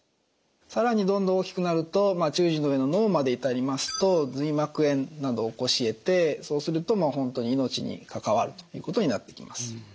更にどんどん大きくなると中耳の上の脳まで至りますと髄膜炎などを起こしえてそうすると本当に命に関わるということになってきます。